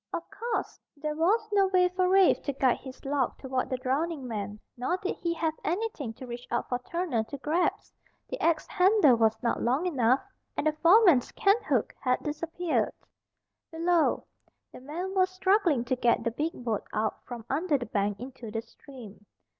Of course, there was no way for Rafe to guide his log toward the drowning man. Nor did he have anything to reach out for Turner to grasp. The axe handle was not long enough, and the foreman's canthook had disappeared. Below, the men were struggling to get the big boat out from under the bank into the stream.